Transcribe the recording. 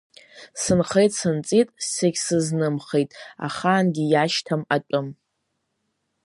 Сынхеит-сынҵит, сегьсызнымхеит ахаангьы иашьҭам атәым.